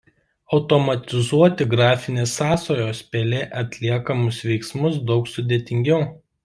Automatizuoti grafinės sąsajos pele atliekamus veiksmus daug sudėtingiau.